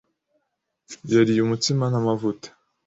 Yariye umutsima n'amavuta.